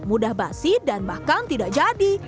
mudah basi dan bahkan tidak jadi